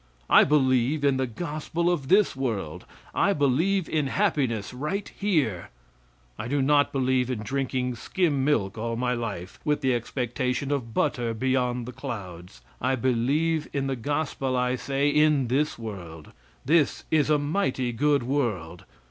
I believe in the gospel of this world; I believe in happiness right here; I do not believe in drinking skim milk all my life with the expectation of butter beyond the clouds. I believe in the gospel, I say, in this world. This is a mighty good world.